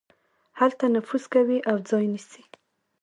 هلته نفوذ کوي او ځای نيسي.